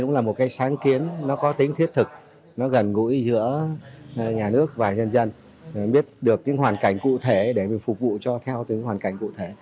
cũng là một cái sáng kiến nó có tính thiết thực nó gần gũi giữa nhà nước và dân dân biết được những hoàn cảnh cụ thể để phục vụ cho theo những hoàn cảnh cụ thể